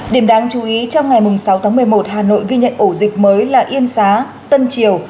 điểm đáng chú ý trong ngày sáu tháng một mươi một hà nội ghi nhận ổ dịch mới là yên xá tân triều